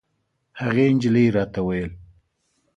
هغې نجلۍ راته ویل.